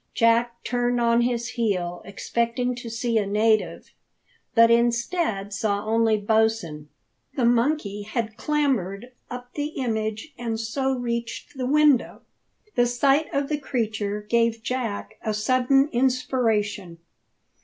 Jack turned on his heel expecting to see a native, but instead saw only Bosin. The monkey had clambered up the image, and so reached the window. The sight of the creature gave Jack a sudden inspiration.